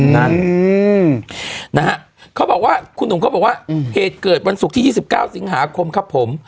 นั่นนะฮะเขาบอกว่าคุณหนุ่มเขาบอกว่าเหตุเกิดวันศุกร์ที่๒๙สิงหาคมครับผม